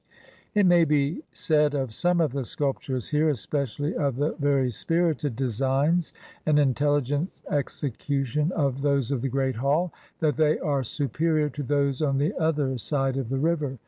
It may be said of some of the sculptures here, espe cially of the very spirited designs and intelligent execu tion of those of the Great Hall, that they are superior to those on the other side of the river.